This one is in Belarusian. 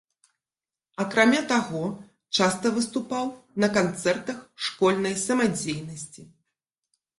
Акрамя таго, часта выступаў на канцэртах школьнай самадзейнасці.